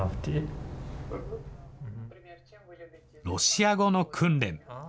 ロシア語の訓練。